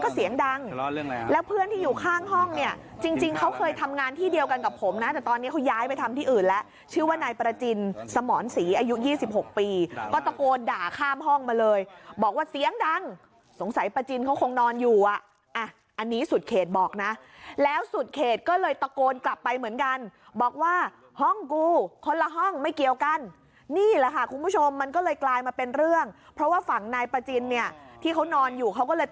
เสียงดังแล้วเพื่อนที่อยู่ข้างห้องเนี่ยจริงเขาเคยทำงานที่เดียวกันกับผมนะแต่ตอนนี้เขาย้ายไปทำที่อื่นแล้วชื่อว่านายประจินสมรสีอายุ๒๖ปีก็ตะโกนด่าข้ามห้องมาเลยบอกว่าเสียงดังสงสัยประจินเขาคงนอนอยู่อ่ะอันนี้สุดเขตบอกนะแล้วสุดเขตก็เลยตะโกนกลับไปเหมือนกันบอกว่าห้องกูคนละห้องไม่เกี่ยวกันนี่แหละค่ะคุ